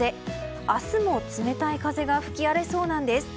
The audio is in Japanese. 明日も冷たい風が吹き荒れそうなんです。